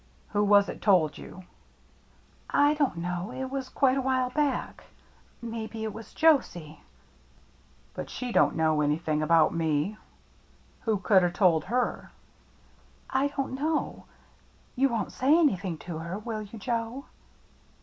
Who was it told you ?"" I don't know — it was quite a while back — maybe it was — Josie." no THE MERRY ANNE " But she don't know anything about me. WhocouldV told her?" " I don't know. You won't say anything to her, will you, Joe?